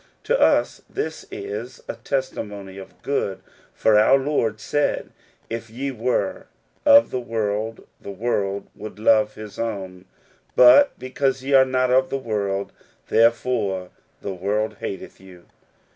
To us this is a^ testimony for good, for our Lord said, If ye were of the world, the world would love his own ; but be cause ye are not of the world, therefore the world hateth you."